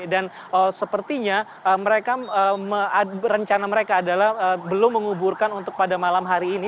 dan sepertinya mereka rencana mereka adalah belum menguburkan untuk pada malam hari ini